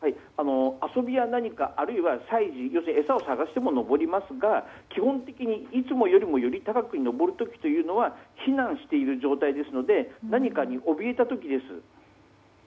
遊びや何か、あるいは餌を探しても上りますが基本的にいつもよりもより高くに上る時は避難している状態ですので何かにおびえた時です。